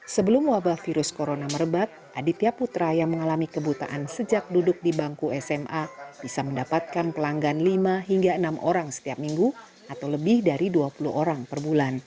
sebelum wabah virus corona merebak aditya putra yang mengalami kebutaan sejak duduk di bangku sma bisa mendapatkan pelanggan lima hingga enam orang setiap minggu atau lebih dari dua puluh orang per bulan